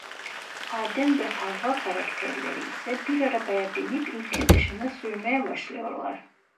Adem ve Havva karakterleri ise bir arabaya binip ülke dışına sürmeye başlıyorlar.